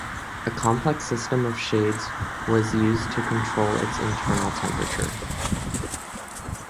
A complex system of shades was used to control its internal temperature.